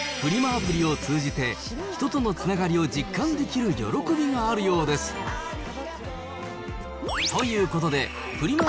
アプリを通じて、人とのつながりを実感できる喜びがあるようです。ということで、フリマ